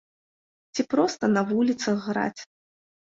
Ці проста на вуліцах граць.